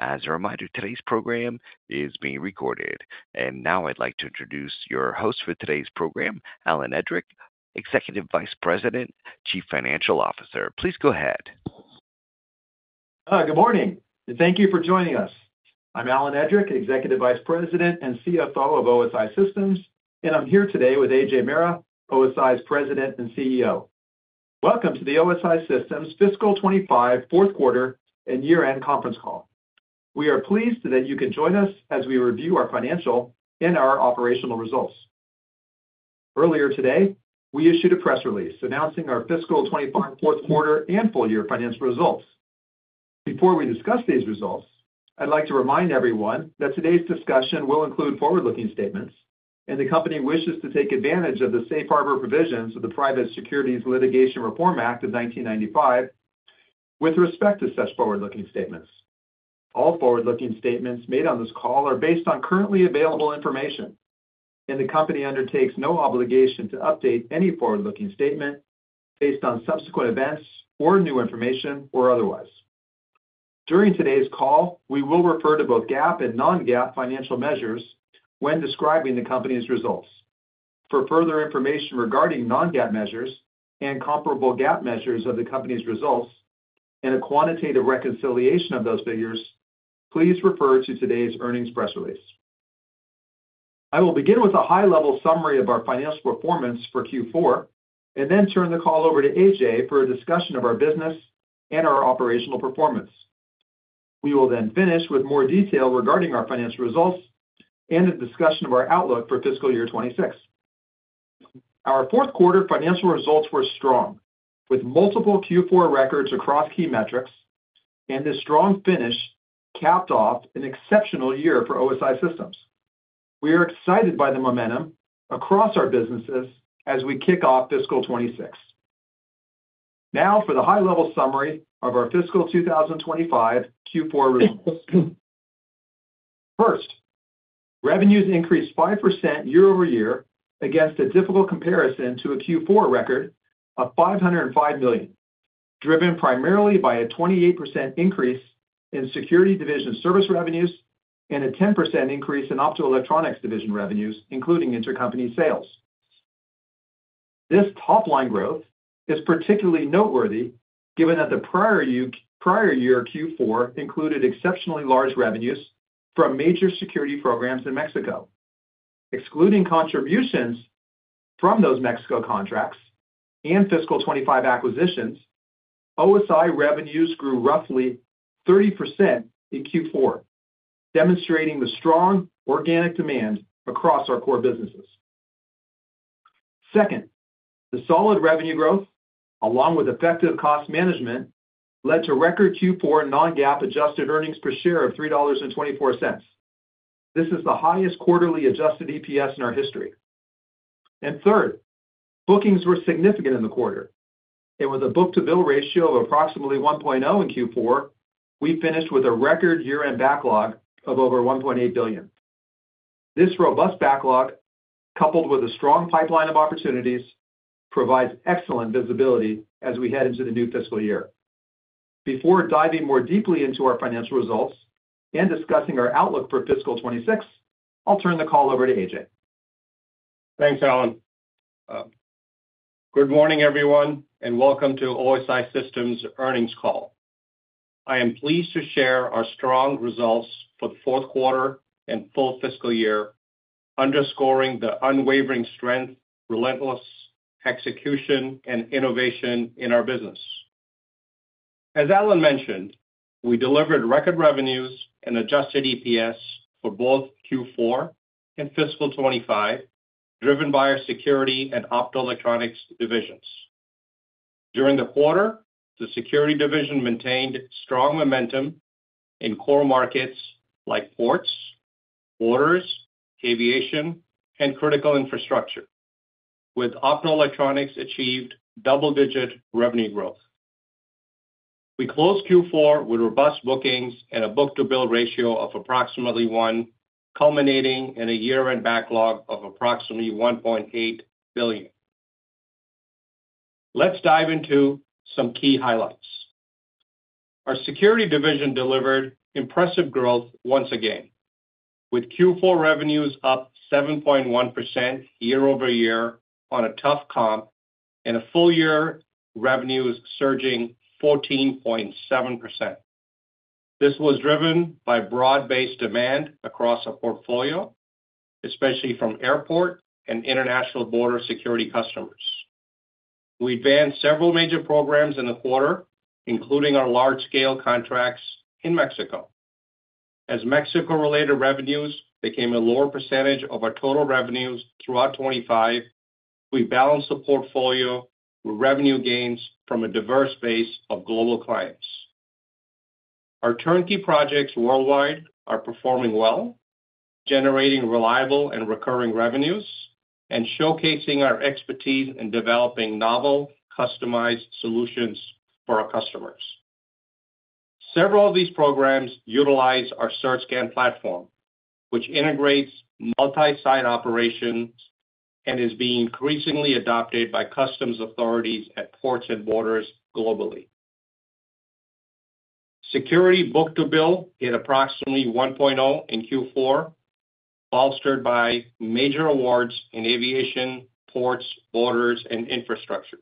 As a reminder, today's program is being recorded, and now I'd like to introduce your host for today's program, Alan Edrick, Executive Vice President, Chief Financial Officer. Please go ahead. Good morning and thank you for joining us. I'm Alan Edrick, Executive Vice President and CFO of OSI Systems and I'm here today with Ajay Mehra, OSI's President and CEO. Welcome to the OSI Systems Fiscal 2025 fourth quarter and year end conference call. We are pleased that you can join us as we review our financial and our operational results. Earlier today we issued a press release announcing our Fiscal 2025 fourth quarter and full year financial results. Before we discuss these results, I'd like to remind everyone that today's discussion will include forward-looking statements and the Company wishes to take advantage of the safe harbor provisions of the Private Securities Litigation Reform Act of 1995 with respect to such forward-looking statements. All forward-looking statements made on this call are based on currently available information and the Company undertakes no obligation to update any forward-looking statement based on subsequent events or new information or otherwise. During today's call, we will refer to both GAAP and non-GAAP financial measures when describing the Company's results. For further information regarding non-GAAP measures and comparable GAAP measures of the Company's results and a quantitative reconciliation of those figures, please refer to today's earnings press release. I will begin with a high-level summary of our financial performance for Q4 and then turn the call over to Ajay for a discussion of our business and our operational performance. We will then finish with more detail regarding our financial results and a discussion of our outlook for fiscal year 2026. Our fourth quarter financial results were strong with multiple Q4 records across key metrics and this strong finish capped off an exceptional year for OSI Systems. We are excited by the momentum across our businesses as we kick off fiscal 2026. Now for the high-level summary of our fiscal 2025 Q4. First, revenues increased 5% year over year against a difficult comparison to a Q4 record of $505 million, driven primarily by a 28% increase in Security division service revenues and a 10% increase in Optoelectronics division revenues including intercompany sales. This top line growth is particularly noteworthy given that the prior year Q4 included exceptionally large revenues from major security programs in Mexico, excluding contributions from those Mexico contracts and fiscal 2025 acquisitions. OSI Systems revenues grew roughly 30% in Q4, demonstrating the strong organic demand across our core businesses. Second, the solid revenue growth along with effective cost management led to record Q4 non-GAAP adjusted earnings per share of $3.24. This is the highest quarterly adjusted EPS in our history. Third, bookings were significant in the quarter, and with a book to bill ratio of approximately 1.0 in Q4, we finished with a record year-end backlog of over $1.8 billion. This robust backlog, coupled with a strong pipeline of opportunities, provides excellent visibility as we head into the new fiscal year. Before diving more deeply into our financial results and discussing our outlook for fiscal 2026, I'll turn the call over to Ajay. Thanks Alan. Good morning everyone and welcome to OSI Systems earnings call. I am pleased to share our strong results for the fourth quarter and full fiscal year, underscoring the unwavering strength, relentless execution, and innovation in our business. As Alan mentioned, we delivered record revenues and adjusted EPS for both Q4 and fiscal 2025 driven by our Security and Optoelectronics divisions. During the quarter, the Security division maintained strong momentum in core markets like ports, borders, aviation, and critical infrastructure, while Optoelectronics achieved double-digit revenue growth. We closed Q4 with robust bookings and a book-to-bill ratio of approximately 1, culminating in a year-end backlog of approximately $1.8 billion. Let's dive into some key highlights. Our Security division delivered impressive growth once again with Q4 revenues up 7.1% year over year on a tough comp and full year revenues surging 14.7%. This was driven by broad-based demand across our portfolio, especially from airport and international border security customers. We began several major programs in the quarter including our large-scale contracts in Mexico. As Mexico-related revenues became a lower percentage of our total revenues throughout 2025, we balanced the portfolio with revenue gains from a diverse base of global clients. Our turnkey projects worldwide are performing well, generating reliable and recurring revenues and showcasing our expertise in developing novel customized solutions for our customers. Several of these programs utilize our CERT Scan platform, which integrates multi-site operations and is being increasingly adopted by customs authorities at ports and borders globally. Security book-to-bill hit approximately 1.0 in Q4, bolstered by major awards in aviation, ports, borders, and infrastructure.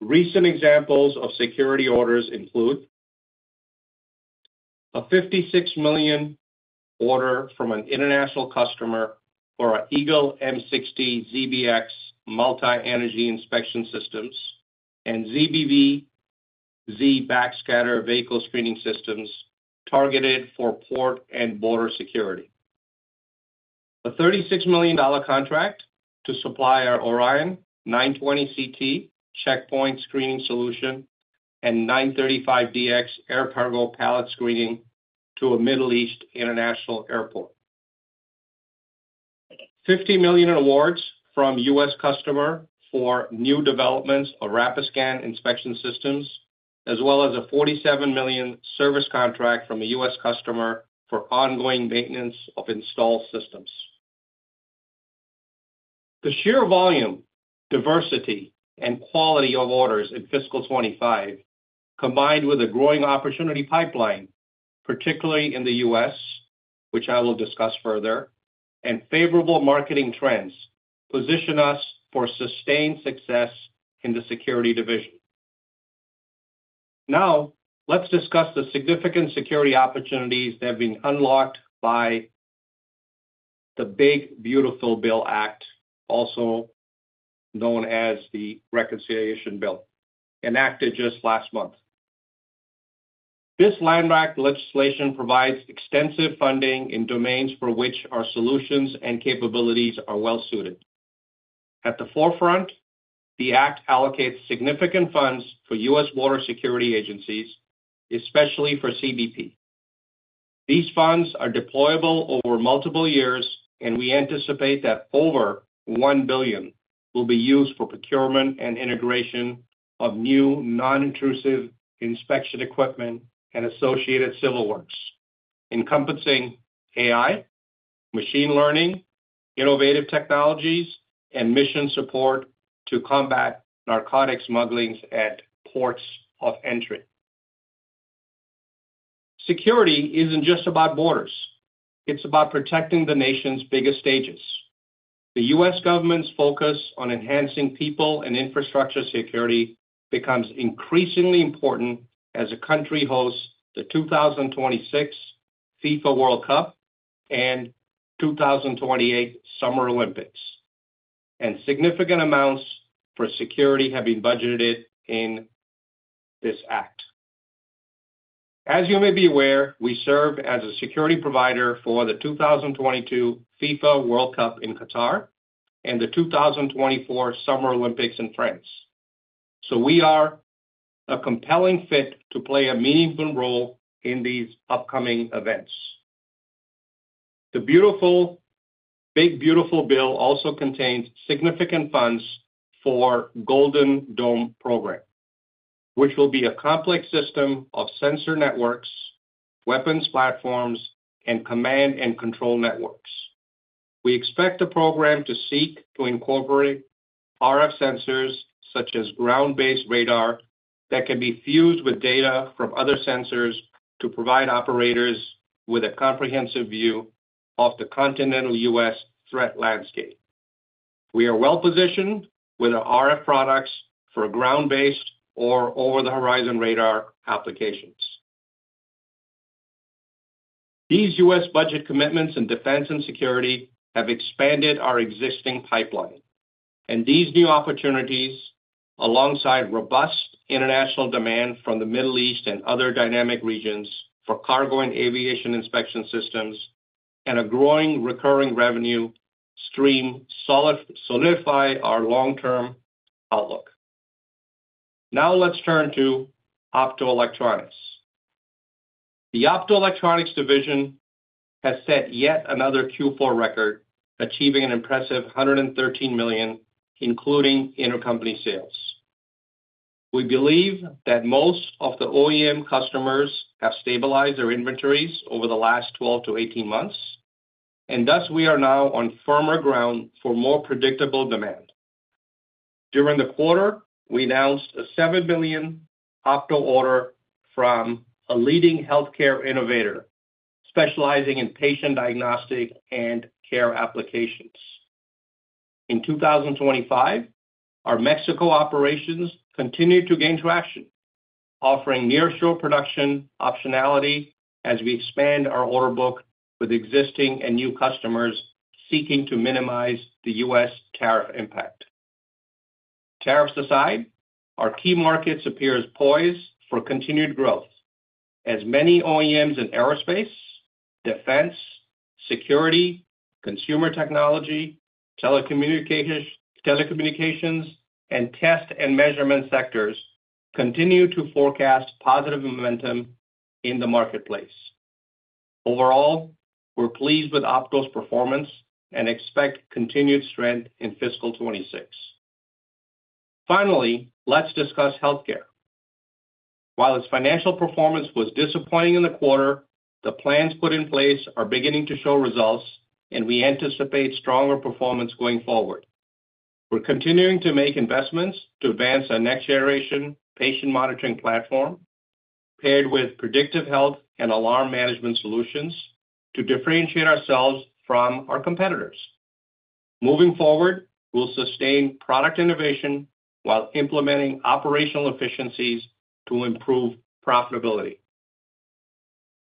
Recent examples of Security orders include a $56 million order from an international customer for Eagle M60 ZBX multi-energy inspection systems and ZBV Z Backscatter vehicle screening systems targeted for port and border security, a $36 million contract to supply our Orion 920CT checkpoint screening solution and Orion 935DX air cargo pallet screening to a Middle East international airport, $50 million awards from a U.S. customer for new developments of Rapiscan inspection systems, as well as a $47 million service contract from a U.S. customer for ongoing maintenance of installed systems. The sheer volume, diversity, and quality of orders in fiscal 2025 combined with a growing opportunity pipeline, particularly in the U.S., which I will discuss further, and favorable market trends position us for sustained success in the Security division. Now let's discuss the significant security opportunities that have been unlocked by the Big Beautiful Bill Act, also known as the Reconciliation Bill. Enacted just last month, this landmark legislation provides extensive funding in domains for which our solutions and capabilities are well suited. At the forefront, the Act allocates significant funds for U.S. border security agencies, especially for CBP. These funds are deployable over multiple years, and we anticipate that over $1 billion will be used for procurement and integration of new non-intrusive inspection equipment and associated civil works encompassing AI, machine learning, innovative technologies, and mission support to combat narcotics smuggling at ports of entry. Security isn't just about borders, it's about protecting the nation's biggest stages. The U.S. government's focus on enhancing people and infrastructure security becomes increasingly important as the country hosts the 2026 FIFA World Cup and 2028 Summer Olympics, and significant amounts for security have been budgeted in this Act. As you may be aware, we serve as a security provider for the 2022 FIFA World Cup in Qatar and the 2024 Summer Olympics in France, so we are a compelling fit to play a meaningful role in these upcoming events. The Big Beautiful Bill also contains significant funds for the Golden Dome program, which will be a complex system of sensor networks, weapons platforms, and command and control networks. We expect the program to seek to incorporate RF sensors such as ground-based radar that can be fused with data from other sensors to provide operators with a comprehensive view of the continental U.S. threat landscape. We are well positioned with our RF products for ground-based or over-the-horizon radar applications. These U.S. budget commitments in defense and security have expanded our existing pipeline, and these new opportunities, alongside robust international demand from the Middle East and other dynamic regions for cargo and aviation inspection systems and a growing recurring revenue stream, solidify our long-term outlook. Now let's turn to Optoelectronics. The Optoelectronics division has set yet another Q4 record, achieving an impressive $113 million including intercompany sales. We believe that most of the OEM customers have stabilized their inventories over the last 12 to 18 months and thus we are now on firmer ground for more predictable demand. During the quarter we announced a $7 million opto order from a leading healthcare innovator specializing in patient diagnostic and care applications in 2025. Our Mexico operations continue to gain traction, offering nearshore production optionality as we expand our order book with existing and new customers seeking to minimize the U.S. tariff impact. Tariffs aside, our key markets appear poised for continued growth as many OEMs in aerospace, defense, security, consumer technology, telecommunications, and test and measurement sectors continue to forecast positive momentum in the marketplace. Overall, we're pleased with Opto's performance and expect continued strength in fiscal 2026. Finally, let's discuss Healthcare. While its financial performance was disappointing in the quarter, the plans put in place are beginning to show results and we anticipate stronger performance going forward. We're continuing to make investments to advance our next generation patient monitoring platform paired with predictive health and alarm management solutions to differentiate ourselves from our competitors. Moving forward, we'll sustain product innovation while implementing operational efficiencies to improve profitability.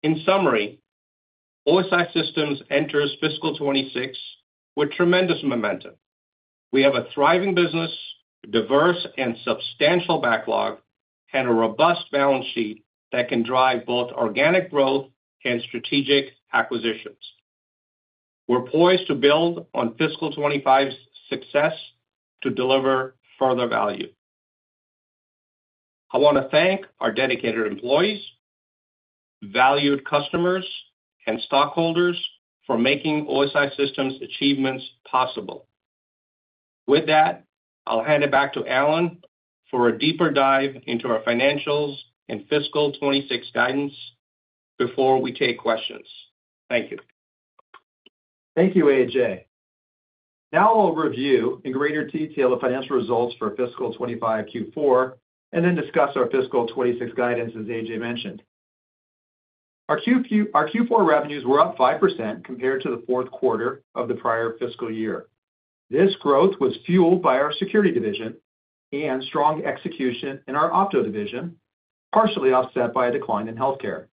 In summary, OSI Systems enters fiscal 2026 with tremendous momentum. We have a thriving business, diverse and substantial backlog, and a robust balance sheet that can drive both organic growth and strategic acquisitions. We're poised to build on fiscal 2025's success to deliver further value. I want to thank our dedicated employees, valued customers, and stockholders for making OSI Systems' achievements possible. With that, I'll hand it back to Alan for a deeper dive into our financials and fiscal 2026 guidance before we take questions. Thank you. Thank you, Ajay. Now I'll review in greater detail the financial results for fiscal 2025 Q4 and then discuss our fiscal 2026 guidance as Ajay mentioned. Our Q4 revenues were up 5% compared to the fourth quarter of the prior fiscal year. This growth was fueled by our Security division and strong execution in our Opto division, partially offset by a decline in Healthcare.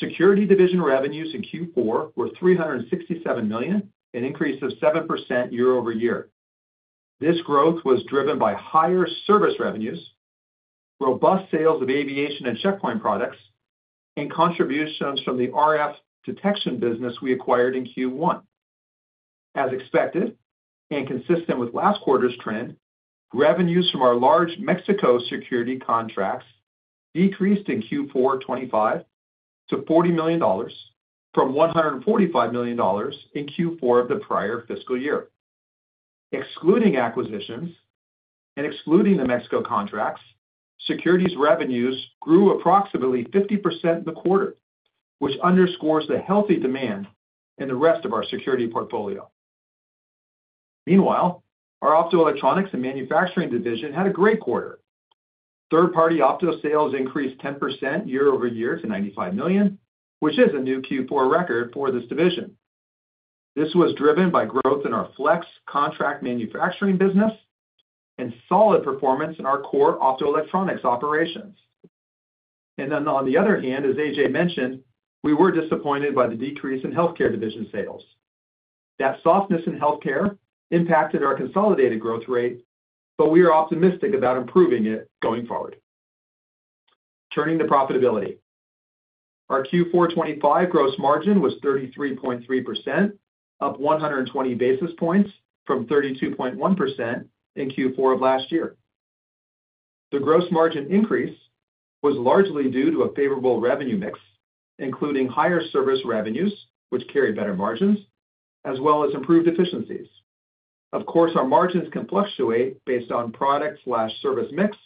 Security division revenues in Q4 were $367 million, an increase of 7% year over year. This growth was driven by higher service revenues, robust sales of aviation and checkpoint products, and contributions from the RF detection business we acquired in Q1. As expected and consistent with last quarter's trend, revenues from our large Mexico security contracts decreased in Q4 2025 to $40 million from $145 million in Q4 of the prior fiscal year. Excluding acquisitions and excluding the Mexico contracts, Security's revenues grew approximately 50% in the quarter, which underscores the healthy demand in the rest of our security portfolio. Meanwhile, our Optoelectronics and Manufacturing division had a great quarter. Third party opto sales increased 10% year over year to $95 million, which is a new Q4 record for this division. This was driven by growth in our flex contract manufacturing business and solid performance in our core optoelectronics operations. On the other hand, as Ajay mentioned, we were disappointed by the decrease in Healthcare division sales. That softness in Healthcare impacted our consolidated growth rate, but we are optimistic about improving it going forward. Turning to profitability, our Q4 2025 gross margin was 33.3%, up 120 basis points from 32.1% in Q4 of last year. The gross margin increase was largely due to a favorable revenue mix including higher service revenues which carry better margins as well as improved efficiencies. Of course, our margins can fluctuate based on product, service mix,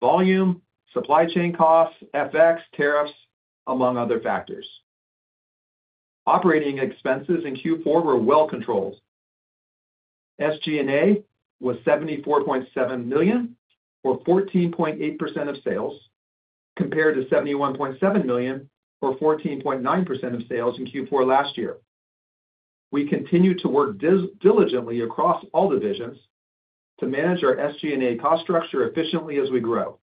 volume, supply chain costs, FX, tariffs, among other factors. Operating expenses in Q4 were well controlled. SG&A was $74.7 million or 14.8% of sales compared to $71.7 million or 14.9% of sales in Q4 last year. We continue to work diligently across all divisions to manage our SG&A cost structure efficiently as we grow.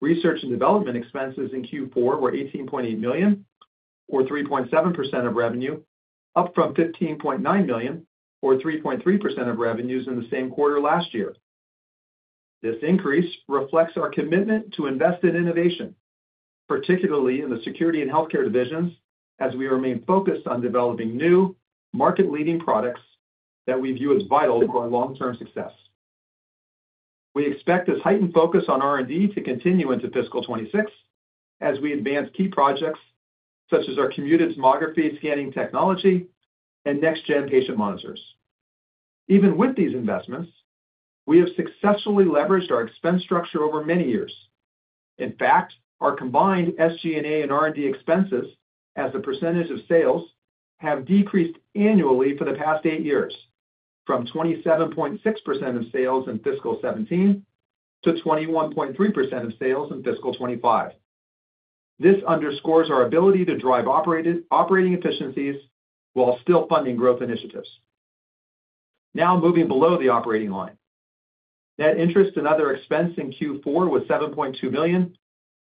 Research and development expenses in Q4 were $18.8 million or 3.7% of revenue, up from $15.9 million or 3.3% of revenues in the same quarter last year. This increase reflects our commitment to invest in innovation, particularly in the Security and Healthcare divisions, as we remain focused on developing new market leading products that we view as vital to our long term success. We expect this heightened focus on R&D to continue into fiscal 2026 as we advance key projects such as our computed tomography scanning technology and next gen patient monitors. Even with these investments, we have successfully leveraged our expense structure over many years. In fact, our combined SG&A and R&D expenses as a percentage of sales have decreased annually for the past eight years from 27.6% of sales in fiscal 2017 to 21.3% of sales in fiscal 2025. This underscores our ability to drive operating efficiencies while still funding growth initiatives. Now moving below the operating line, net interest and other expense in Q4 was $7.2 million,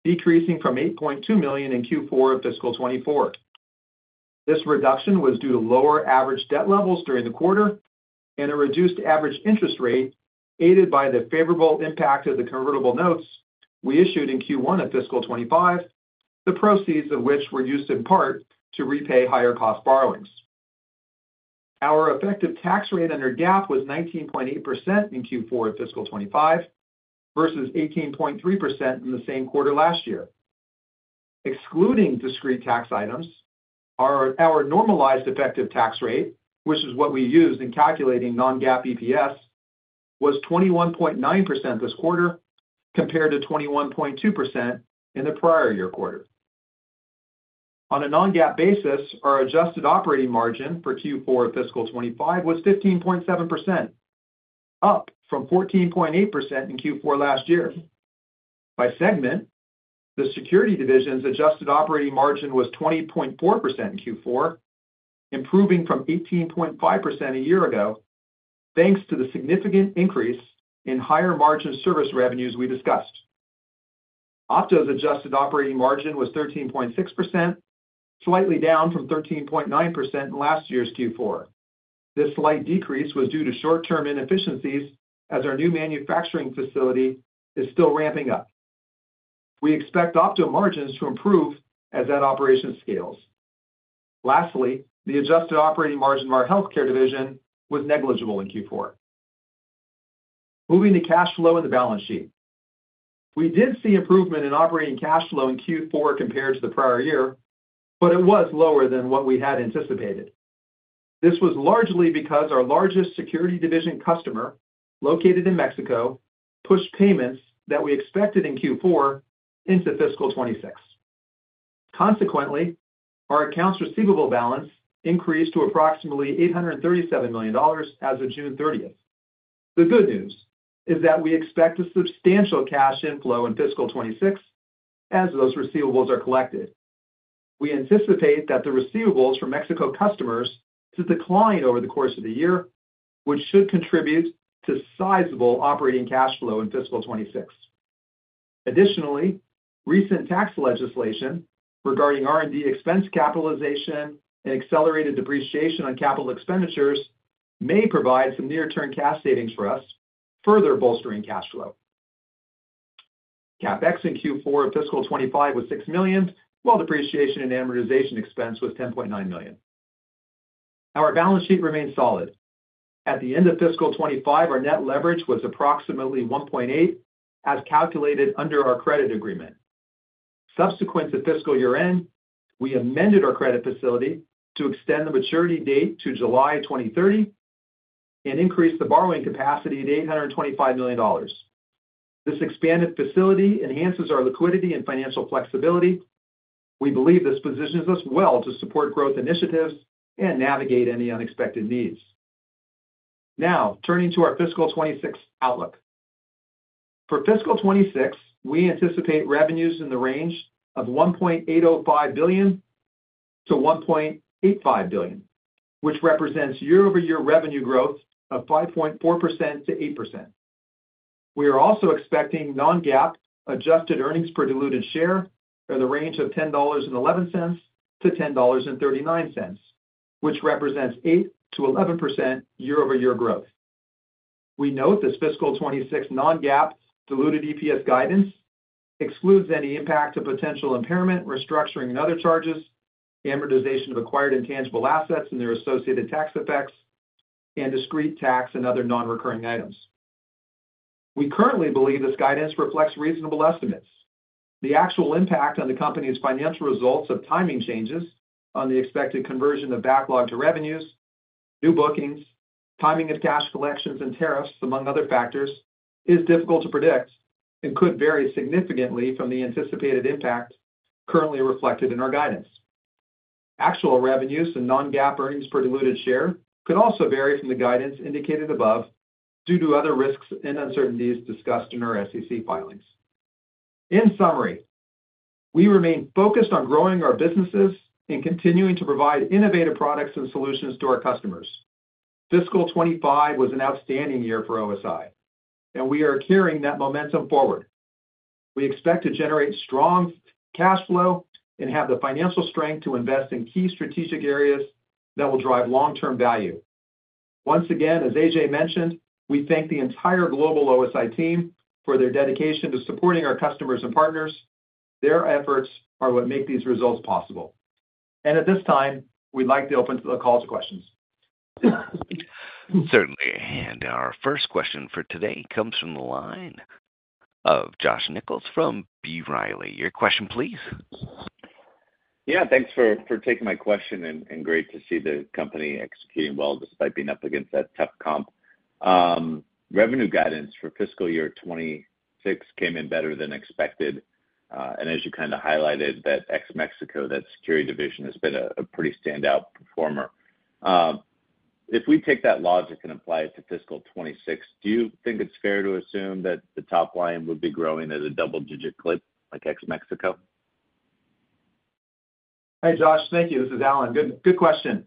decreasing from $8.2 million in Q4 of fiscal 2024. This reduction was due to lower average debt levels during the quarter and a reduced average interest rate aided by the favorable impact of the convertible notes we issued in Q1 of fiscal 2025, the proceeds of which were used in part to repay higher cost borrowings. Our effective tax rate under GAAP was 19.8% in Q4 of fiscal 2025 versus 18.3% in the same quarter last year. Excluding discrete tax items, our normalized effective tax rate, which is what we used in calculating non-GAAP EPS, was 21.9% this quarter compared to 21.2% in the prior year quarter. On a non-GAAP basis, our adjusted operating margin for Q4 of fiscal 2025 was 15.7%, up from 14.8% in Q4 last year. By segment, the Security division's adjusted operating margin was 20.4% in Q4, improving from 18.5% a year ago thanks to the significant increase in higher margin service revenues we discussed. Opto's adjusted operating margin was 13.6%, slightly down from 13.9% in last year's Q4. This slight decrease was due to short term inefficiencies as our new manufacturing facility is still ramping up. We expect Opto's margins to improve as that operation scales. Lastly, the adjusted operating margin of our Healthcare division was negligible in Q4. Moving to cash flow and the balance sheet, we did see improvement in operating cash flow in Q4 compared to the prior year, but it was lower than what we had anticipated. This was largely because our largest Security division customer located in Mexico pushed payments that we expected in Q4 into fiscal 2026. Consequently, our accounts receivable balance increased to approximately $837 million as of June 30. The good news is that we expect a substantial cash inflow in fiscal 2026 as those receivables are collected. We anticipate that the receivables for Mexico customers to decline over the course of the year, which should contribute to sizable operating cash flow in fiscal 2026. Additionally, recent tax legislation regarding R&D expense capitalization and accelerated depreciation on capital expenditures may provide some near-term cash savings for us. Further, bolstering cash flow, CapEx in Q4 of fiscal 2025 was $6 million, while depreciation and amortization expense was $10.9 million. Our balance sheet remains solid at the end of fiscal 2025. Our net leverage was approximately 1.8 as calculated under our credit agreement. Subsequent to fiscal year end, we amended our credit facility to extend the maturity date to July 2030 and increase the borrowing capacity to $825 million. This expanded facility enhances our liquidity and financial flexibility. We believe this positions us well to support growth initiatives and navigate any unexpected needs. Now, turning to our fiscal 2026 outlook, for fiscal 2026, we anticipate revenues in the range of $1.805 billion-$1.85 billion, which represents year-over-year revenue growth of 5.4% to 8%. We are also expecting non-GAAP adjusted earnings per diluted share in the range of $10.11 to $10.39, which represents 8% to 11% year-over-year growth. We note this fiscal 2026 non-GAAP diluted EPS guidance excludes any impact of potential impairment, restructuring and other charges, amortization of acquired intangible assets and their associated tax effects, and discrete tax and other non-recurring items. We currently believe this guidance reflects reasonable estimates. The actual impact on the company's financial results of timing changes on the expected conversion of backlog to revenues, new bookings, timing of cash collections and tariffs, among other factors, is difficult to predict and could vary significantly from the anticipated impact currently reflected in our guidance. Actual revenues and non-GAAP earnings per diluted share could also vary from the guidance indicated above due to other risks and uncertainties discussed in our SEC filings. In summary, we remain focused on growing our businesses and continuing to provide innovative products and solutions to our customers. Fiscal 2025 was an outstanding year for OSI and we are carrying that momentum forward. We expect to generate strong cash flow and have the financial strength to invest in key strategic areas that will drive long term value. Once again as Ajay mentioned, we thank the entire global OSI team for their dedication to supporting our customers and partners. Their efforts are what make these results possible. At this time we'd like to open the call to questions. Certainly. Our first question for today comes from the line of Josh Nichols from B. Riley. Your question please. Yeah, thanks for taking my question and great to see the company executing well despite being up against that tough comp. Revenue guidance for fiscal year 2026 came in better than expected, and as you kind of highlighted that ex-Mexico, that Security division has been a pretty standout performer. If we take that logic and apply it to fiscal 2026, do you think it's fair to assume that the top line would be growing at a double digit clip like ex-Mexico? Hi Josh, thank you. This is Alan. Good question.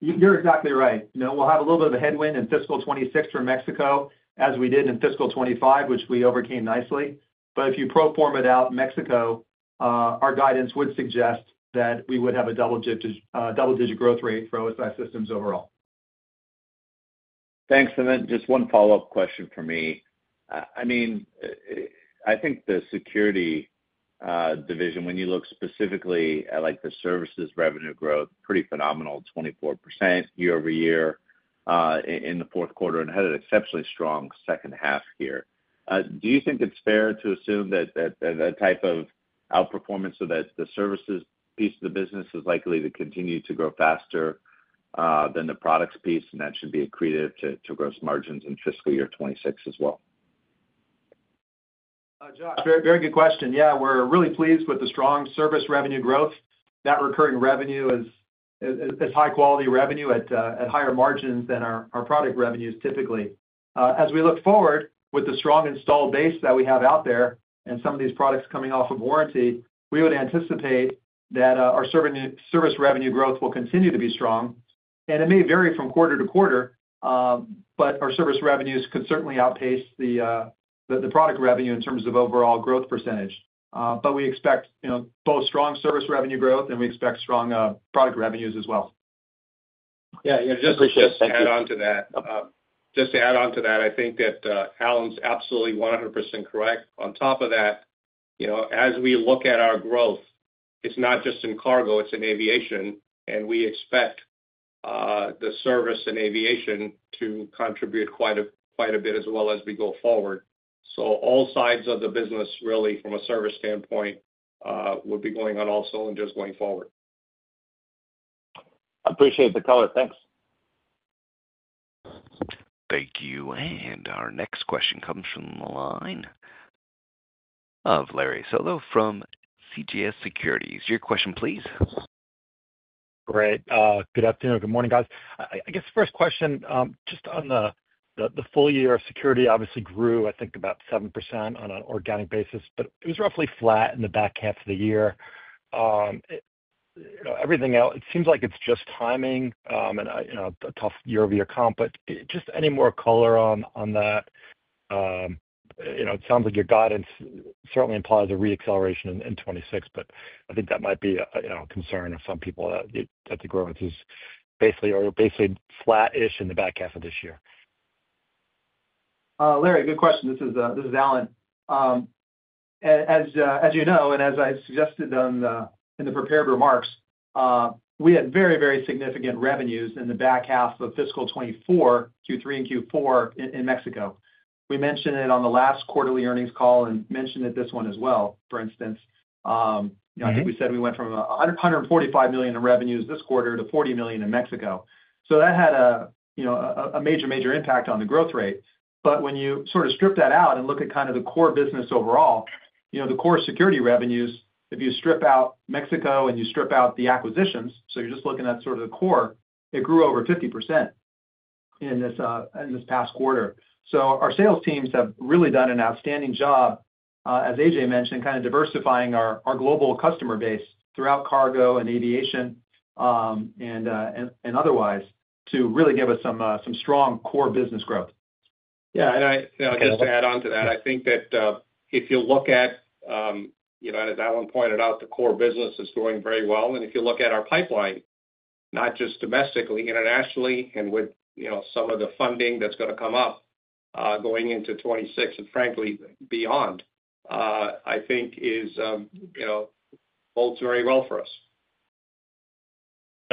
You're exactly right. You know we'll have a little bit of a headwind in fiscal 2026 for Mexico as we did in fiscal 2025, which we overcame nicely. If you pro form it out in Mexico, our guidance would suggest that we would have a double digit, double digit growth rate for OSI Systems overall. Thanks for that. Just one follow up question for me. I mean I think the Security division, when you look specifically at like the services revenue growth, pretty phenomenal, 24% year over year in the fourth quarter and had an exceptionally strong second half year. Do you think it's fair to assume that type of outperformance of the services piece of the business is likely to continue to grow faster than the products piece and that should be accretive to gross margins in fiscal year 2026 as well? Josh, very good question. Yeah, we're really pleased with the strong service revenue growth. That recurring revenue is high quality revenue at higher margins than our product revenues. Typically, as we look forward with the strong installed base that we have out there and some of these products coming off of warranty, we would anticipate that our service revenue growth will continue to be strong. It may vary from quarter to quarter, but our service revenues could certainly outpace the product revenue in terms of overall growth percentage. We expect both strong service revenue growth and we expect strong product revenues as well. Yeah, just to add on to that, I think that Alan's absolutely 100% correct. On top of that, as we look at our growth, it's not just in cargo, it's in aviation and we expect the service in aviation to contribute quite a bit as well as we go forward. All sides of the business really from a service standpoint would be going on all cylinders going forward. Appreciate the color. Thanks. Thank you. Our next question comes from the line of Larry Solow from CJS Securities. Your question please. Great. Good afternoon. Good morning guys. I guess first question just on the full year Security obviously grew I think about 7% on an organic basis, but it was roughly flat in the back half of the year. Everything else, it seems like it's just timing and a tough year over year comp. Just any more color on that, it sounds like your guidance certainly implies a reacceleration in 2026. I think that might be a concern of some people that they grow with. These basically are basically flat ish in. The back half of this year. Larry, good question. This is Alan, as you know and as I suggested in the prepared remarks, we had very, very significant revenues in the back half of fiscal 2024 Q3 and Q4 in Mexico. We mentioned it on the last quarterly earnings call and mentioned it this one as well. For instance, I think we said we went from $145 million in revenues this quarter to $40 million in Mexico. That had a major, major impact on the growth rate. When you sort of strip that out and look at kind of the core business overall, the core security revenues, if you strip out Mexico and you strip out the acquisitions, you are just looking at sort of the core. It grew over 50% in this past quarter. Our sales teams have really done an outstanding job, as Ajay mentioned, kind of diversifying our global customer base throughout cargo and aviation and otherwise to really give us some strong core business growth. Yeah. Just to add on to that, I think that if you look at, you know, as Alan pointed out, the core business is going very well. If you look at our pipeline, not just domestically, internationally, and with some of the funding that's going to come out going into 2026 and frankly beyond, I think it holds very well for us.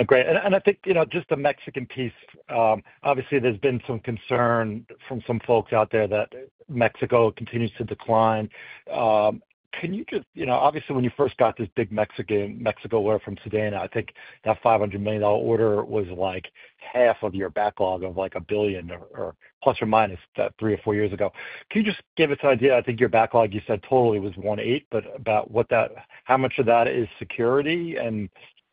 Great. I think, you know, just the Mexican piece, obviously there's been some concern from some folks out there that Mexico continues to decline. Can you just, you know, obviously when you first got this big Mexico order from Sudana, I think that $500 million order was like half of your backlog of like a billion or, or plus or minus three or four years ago. Can you just give us an idea? I think your backlog, you said totally was $1.8 billion, but about what that, how much of that is security.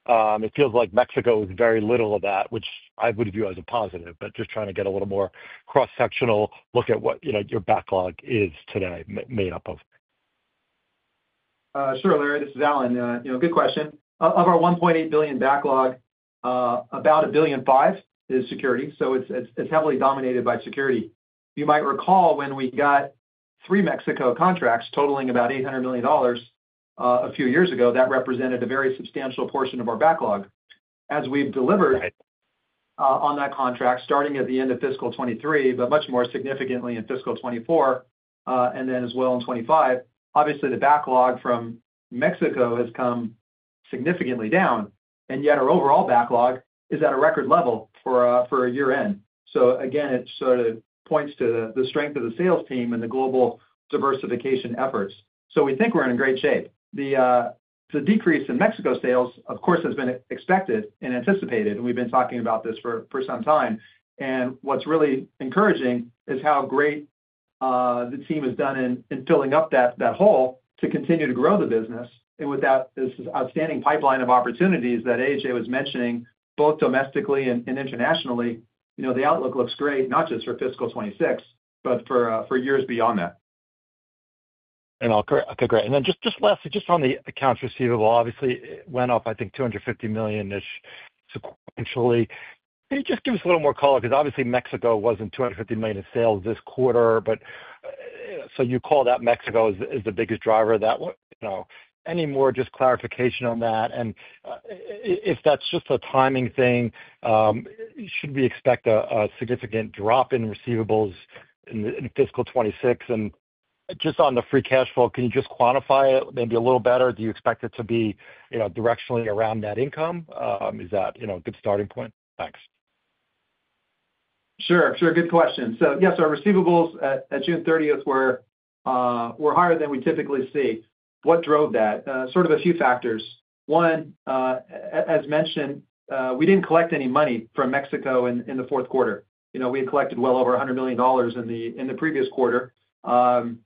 It feels like Mexico is very little of that, which I would view as a positive, just trying to get a little more cross-sectional look at what your backlog is today made up of. Sure. Larry, this is Alan, good question. Of our $1.8 billion backlog, about $1.5 billion is security, so it's heavily dominated by security. You might recall when we got three Mexico contracts totaling about $800 million a few years ago, that represented a very substantial portion of our backlog as we delivered on that contract starting at the end of fiscal 2023, but much more significantly in fiscal 2024 and then as well in 2025. Obviously, the backlog from Mexico has come significantly down, and yet our overall backlog is at a record level for a year end. It sort of points to the strength of the sales team and the global diversification efforts. We think we're in great shape. The decrease in Mexico sales, of course, has been expected and anticipated, and we've been talking about this for some time. What's really encouraging is how great the team has done in filling up that hole to continue to grow the business, and with this outstanding pipeline of opportunities that Ajay was mentioning, both domestically and internationally, the outlook looks great, not just for fiscal 2026, but for years beyond that. and I'll correct. Okay, great. And then just lastly, just on the accounts receivable, obviously it went up, I think, $250 million-ish sequentially. Can you just give us a little more color? Obviously, Mexico wasn't $250 million in sales this quarter. You call that Mexico is the biggest driver of that. Any more clarification on that? If that's just a timing thing, should we expect a significant drop in receivables in fiscal 2026? Just on the free cash flow. Can you just quantify it? Maybe a little better. Do you expect it to be directionally around net income? Is that a good starting point? Thanks. Sure. Good question. Yes, our receivables at June 30 were higher than we typically see. What drove that? Sort of a few factors. One, as mentioned, we didn't collect any money from Mexico in the fourth quarter. You know, we collected well over $100 million in the previous quarter.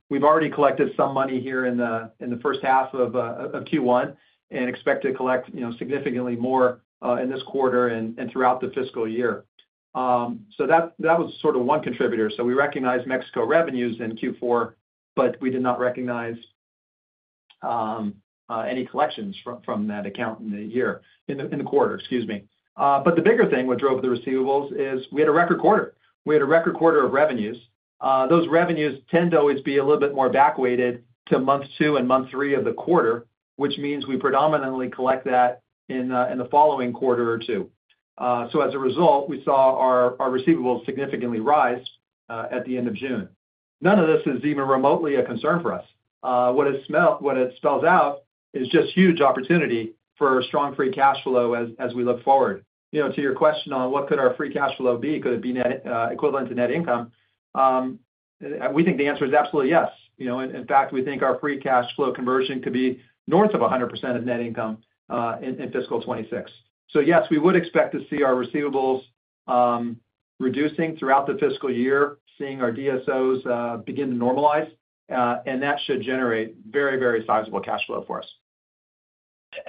We've already collected some money here in the first half of Q1 and expect to collect significantly more in this quarter and throughout the fiscal year. That was sort of one contributor. We recognized Mexico revenues in Q4, but we did not recognize any collections from that account in the quarter. Excuse me, the bigger thing that drove the receivables is we had a record quarter. We had a record quarter of revenues. Those revenues tend to always be a little bit more back weighted to month two and month three of the quarter, which means we predominantly collect that in the following quarter or two. As a result, we saw our receivables significantly rise at the end of June. None of this is even remotely a concern for us. What it spells out is just huge opportunity for strong free cash flow as we look forward. You know, to your question on what could our free cash flow be, could it be equivalent to net income? We think the answer is absolutely yes. In fact, we think our free cash flow conversion could be north of 100% of net income in fiscal 2026. Yes, we would expect to see our receivables reducing throughout the fiscal year, seeing our DSOs begin to normalize, and that should generate very, very sizable cash flow for us.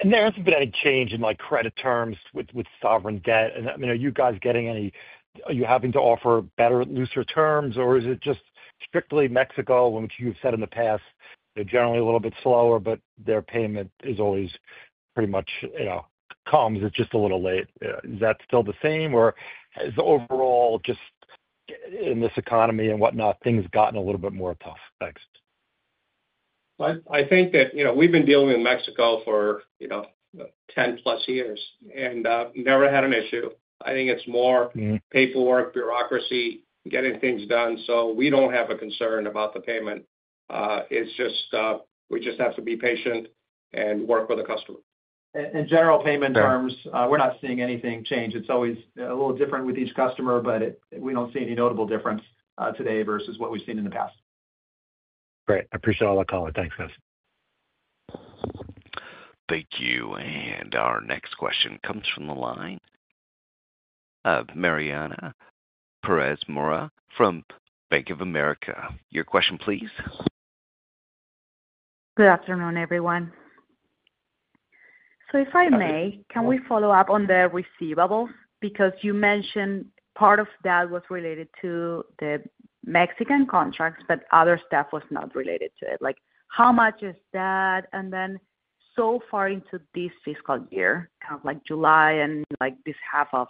There hasn't been any change in credit terms with sovereign debt. I mean, are you guys getting any? Are you having to offer better, looser terms, or is it just strictly Mexico, which you've said in the past, they're generally a little bit slower, but their payment is always pretty much, you know, comes a little late. Is that still the same, or is overall, just in this economy and whatnot, things gotten a little bit more tough? Thanks. I think that, you know, we've been dealing with Mexico for, you know, 10+ years and never had an issue. I think it's more paperwork, bureaucracy, getting things done. We don't have a concern about the payment. It's just we just have to be patient and work with the customer. In general payment terms, we're not seeing anything change. It's always a little different with each customer, but we don't see any notable difference today versus what we've seen in the past. Great. I appreciate all the color. Thanks, guys. Thank you. Our next question comes from the line of Mariana Perez Mora from Bank of America. Your question, please. Good afternoon, everyone. If I may, can we follow up on the receivables? You mentioned part of that was related to the Mexican contracts, but other stuff was not related to it. How much is that? So far into this fiscal year, like July and this half of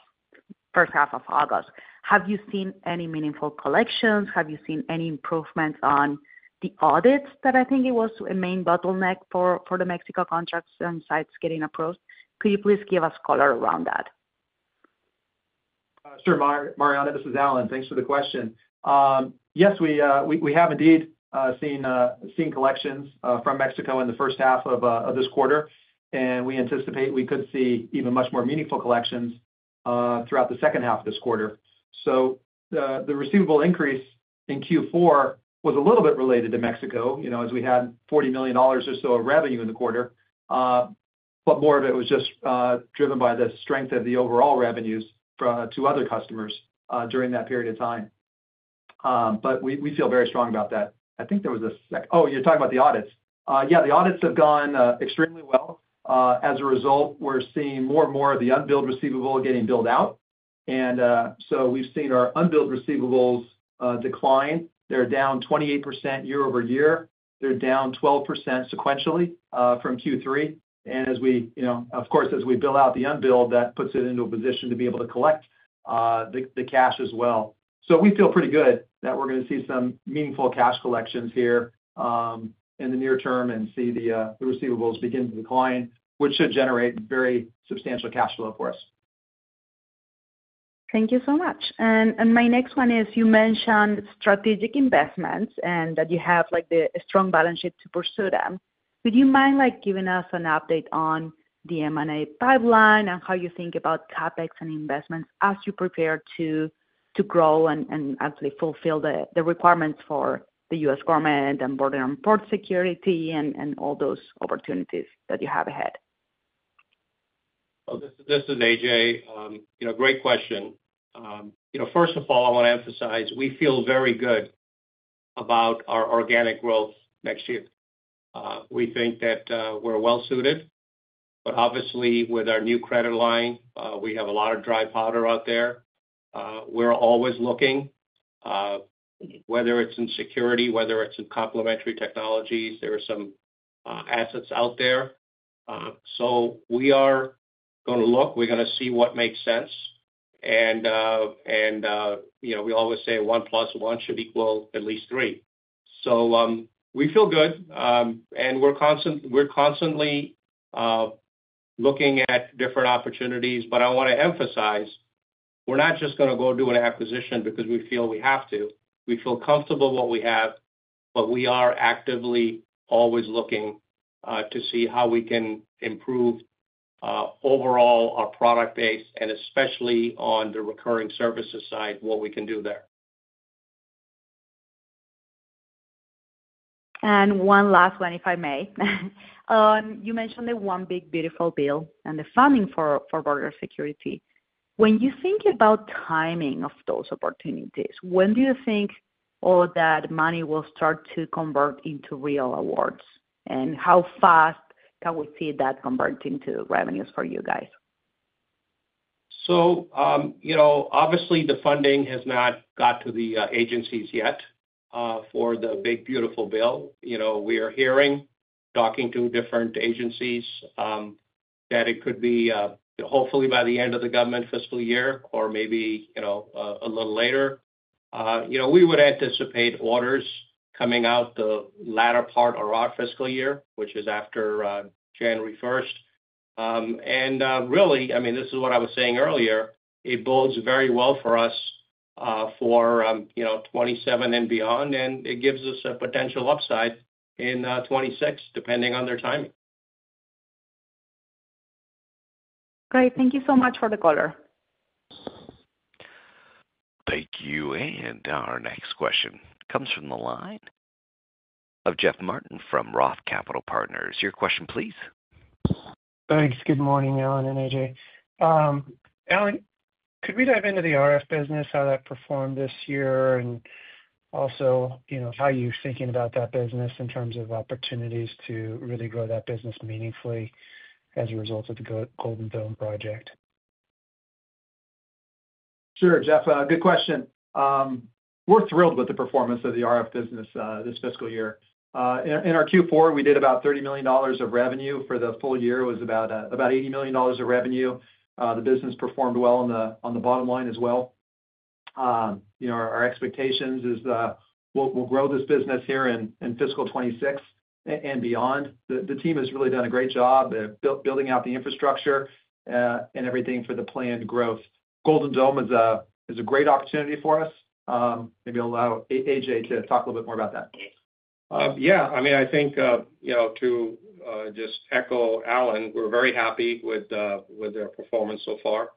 first half of August, have you seen any meaningful collections? Have you seen any improvements on the audits that I think were a main bottleneck for the Mexico contracts and sites getting approved? Could you please give us color around that? Sure. Mariana, this is Alan. Thanks for the question. Yes, we have indeed seen collections from Mexico in the first half of this quarter, and we anticipate we could see even much more meaningful collections throughout the second half this quarter. The receivable increase in Q4 was a little bit related to Mexico, as we had $40 million or so of revenue in the quarter, but more of it was just driven by the strength of the overall revenues to other customers during that period of time. We feel very strong about that. You're talking about the audits. Yeah, the audits have gone extremely well. As a result, we're seeing more and more of the unbilled receivable getting billed out. We've seen our unbilled receivables decline. They're down 28% year over year. They're down 12% sequentially from Q3. As we bill out the unbilled, that puts it into a position to be able to collect the cash as well. We feel pretty good that we're going to see some meaningful cash collections here in the near term and see the receivables begin to decline, which should generate very substantial cash flow for us. Thank you so much. My next one is you mentioned strategic investments and that you have the strong balance sheet to pursue them. Would you mind giving us an update on the M&A pipeline and how you think about CapEx and investment as you prepare to grow and actually fulfill the requirements for the U.S. government and border and port security and all those opportunities that you have ahead. This is Ajay. Great question. First of all, I want to emphasize we feel very good about our organic growth next year. We think that we're well suited. Obviously, with our new credit line, we have a lot of dry powder out there. We're always looking whether it's in security or in complementary technologies. There are some assets out there. We are going to look, we're going to see what makes sense. We always say one plus one should equal at least three. We feel good and we're constantly looking at different opportunities. I want to emphasize we're not just going to go do an acquisition because we feel we have to. We feel comfortable with what we have, but we are actively always looking to see how we can improve overall our product base and especially on the recurring services side, what we can do there. One last one, if I may. You mentioned the one big beautiful bill and the funding for border security. When you think about timing of those opportunities, when do you think all that money will start to convert into real awards and how fast can we see that convert into revenues for you guys? Obviously, the funding has not got to the agencies yet for the Big Beautiful Bill. We are hearing, talking to different agencies, that it could be hopefully by the end of the government fiscal year or maybe a little later. We would anticipate orders coming out the latter part of our fiscal year, which is after January 1. This is what I was saying earlier; it bodes very well for us for 2027 and beyond, and it gives us a potential upside in 2026 depending on their timing. Great. Thank you so much for the color. Thank you. Our next question comes from the line of Jeff Martin from ROTH Capital Partners. Your question please. Thanks. Good morning, Alan and Ajay. Alan, could we dive into the RF business, how that performed this year and also, you know, how you thinking about that business in terms of opportunities to really grow that business meaningfully as a result of the Golden Dome project? Sure, Jeff, good question. We're thrilled with the performance of the RF business this fiscal year. In our Q4, we did about $30 million of revenue. For the full year, it was about $80 million of revenue. The business performed well on the bottom line as well. You know, our expectation is that we'll grow this business here in fiscal 2026 and beyond. The team has really done a great job at building out the infrastructure and everything for the planned growth. Golden Dome is a great opportunity for us. Maybe allow Ajay to talk a little bit more about that. Yeah, I mean, I think, you know, to just echo Alan. We're very happy with their performance so far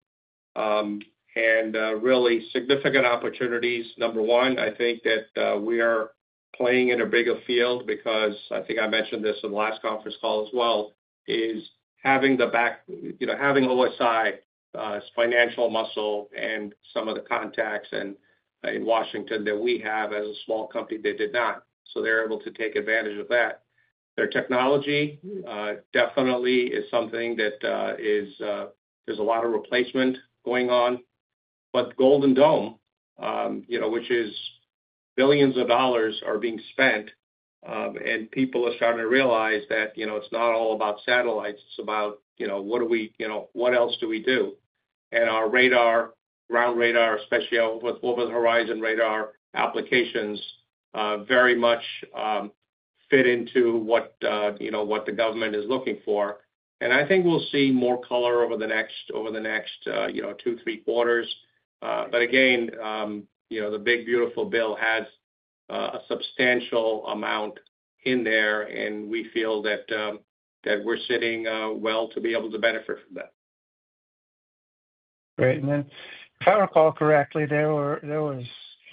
and really significant opportunities. Number one, I think that we are playing in a bigger field because I think I mentioned this in the last conference call as well, is having the back, you know, having OSI's financial muscle and some of the contacts in Washington that we have. As a small company, they did not, so they're able to take advantage of that. Their technology definitely is something that is, there's a lot of replacement going on. Golden Dome, you know, which is billions of dollars are being spent and people are starting to realize that, you know, it's not all about satellites. It's about, you know, what do we, you know, what else do we do? Our radar, ground radar, especially over the horizon radar applications, very much fit into what, you know, what the government is looking for. I think we'll see more color over the next two, three quarters. The Big Beautiful Bill has a substantial amount in there, and we feel that we're sitting well to be able to benefit from that. Great. If I recall correctly, there was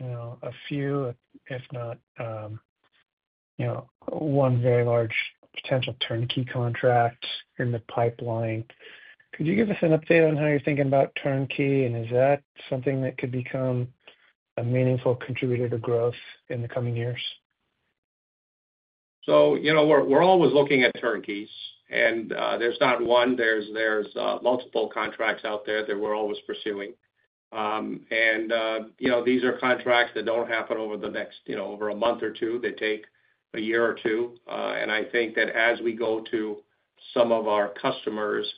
a few, if not one very large potential turnkey contract in the pipeline. Could you give us an update on How you're thinking about turnkey, and is that something that could become a meaningful contributor to growth in the coming years? We're always looking at turnkeys and there's not one. There's multiple contracts out there that we're always pursuing. These are contracts that don't happen over the next month or two. They take a year or two. I think that as we go to some of our customers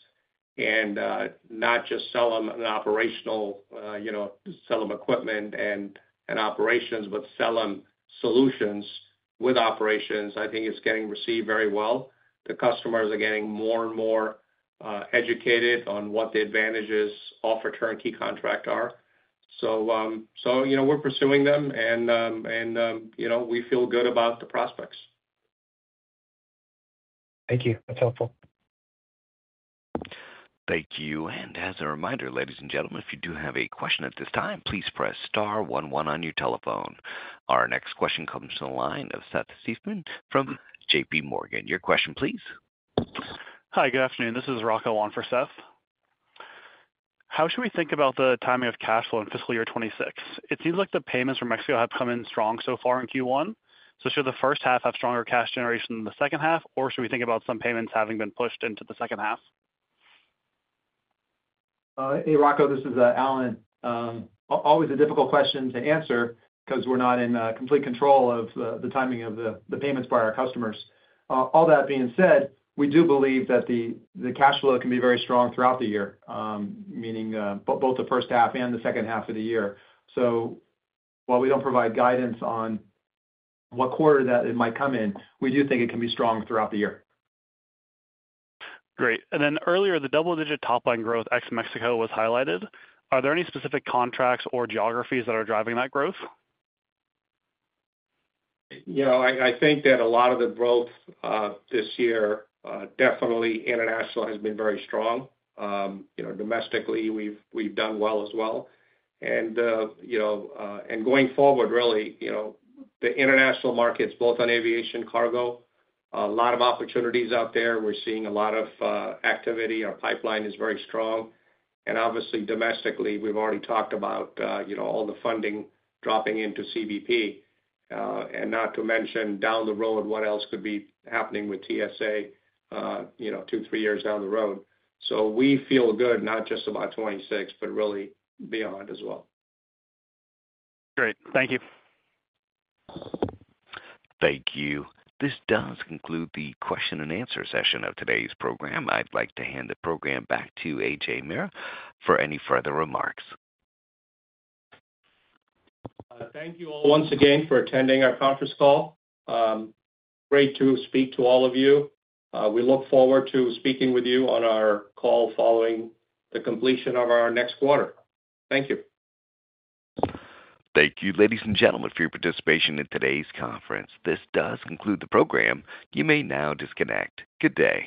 and not just sell them an operational, you know, sell them equipment and operations, but sell them solutions with operations, it's getting received very well. The customers are getting more and more educated on what the advantages offer turnkey contract are. We're pursuing them and we feel good about the prospects. Thank you. That's helpful. Thank you. As a reminder, ladies and gentlemen, if you do have a question at this time, please press star 11 on your telephone. Our next question comes to the line of Seth Seifman from JPMorgan. Your question, please. Hi, good afternoon, this is Rocco on for Seth. How should we think about the timing of cash flow in fiscal year 2026? It seems like the payments from Mexico have come in strong so far in Q1. Should the first half have stronger cash generation than the second half, or should we think about some payments having been pushed into the second half? Hey, Rocco, this is Alan. Always a difficult question to answer because we're not in complete control of the timing of the payments by our customers. All that being said, we do believe that the cash flow can be very strong throughout the year, meaning both the first half and the second half of the year. While we don't provide guidance on what quarter that it might come in, we do think it can be strong throughout the year. Great. Earlier, the double digit top line growth as Mexico was highlighted. Are there any specific contracts or geographies that are driving that growth? I think that a lot of the growth this year, definitely international, has been very strong. Domestically we've done well as well. Going forward, the international markets, both on aviation and cargo, have a lot of opportunities out there. We're seeing a lot of activity. Our pipeline is very strong. Obviously domestically, we've already talked about all the funding dropping into CBP, and not to mention down the road, what else could be happening with TSA, two, three years down the road. We feel good, not just about 2026, but really beyond as well. Great. Thank you. Thank you. This does conclude the question and answer session of today's program. I'd like to hand the program back to Ajay Mehra for any further remarks. Thank you all once again for attending our conference call. Great to speak to all of you. We look forward to speaking with you on our call following the completion of our next quarter. Thank you. Thank you, ladies and gentlemen, for your participation in today's conference. This does conclude the program. You may now disconnect. Good day.